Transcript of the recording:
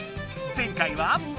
前回は。